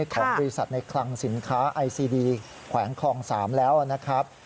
ของบริษัทในคลังสินค้าไอซีดีแขวงคลอง๓แล้วนะครับ